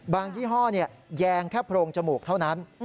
ยี่ห้อแยงแค่โพรงจมูกเท่านั้น